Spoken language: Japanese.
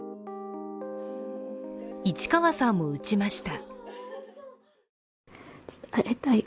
市川さんも打ちました。